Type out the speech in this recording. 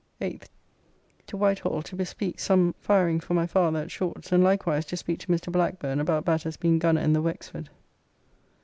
8th. To Whitehall to bespeak some firing for my father at Short's, and likewise to speak to Mr. Blackburne about Batters being gunner in the "Wexford."